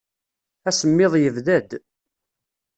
Asemmiḍ yebda-d.